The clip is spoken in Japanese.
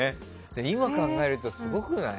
今考えるとすごくない？